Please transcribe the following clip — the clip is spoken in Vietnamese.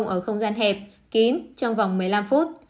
ở không gian hẹp kín trong vòng một mươi năm phút